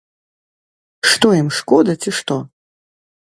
Што ім шкода, ці што?